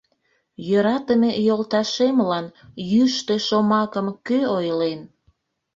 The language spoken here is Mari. Йӧратыме йолташемлан Йӱштӧ шомакым кӧ ойлен?